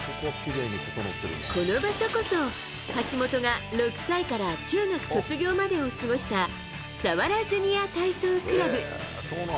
この場所こそ橋本が６歳から中学卒業までを過ごした佐原ジュニア体操クラブ。